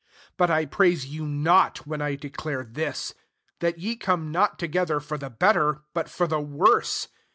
17 But I praise you not when I declare this; that ye come not together for the bet ter, but for the worse.